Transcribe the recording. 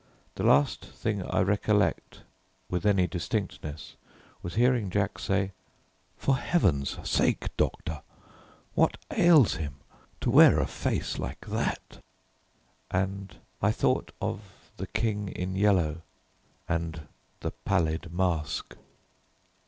The last thing I recollect with any distinctness was hearing Jack say, "For Heaven's sake, doctor, what ails him, to wear a face like that?" and I thought of The King in Yellow and the Pallid Mask.